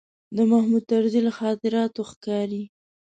د محمود طرزي له خاطراتو ښکاري.